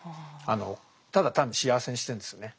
ただ単に幸せにしてるんですよね